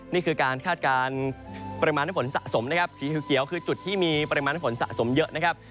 นี่คือการคาดการณ์ปริมาณน้ำฝนสะสมนะครับสีเขียวคือจุดที่มีปริมาณฝนสะสมเยอะนะครับ